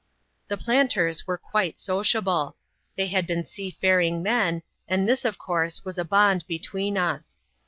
The planters were quite sociable. Thej had been sea faring men, and this, of course, was a bond between us.